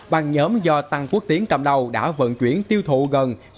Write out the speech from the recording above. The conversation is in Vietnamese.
bằng nhóm do tăng quốc tiến cầm đầu đã vận chuyển tiêu thụ gần sáu